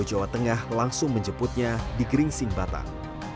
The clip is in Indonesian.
jawa tengah langsung menjemputnya di gering sing batang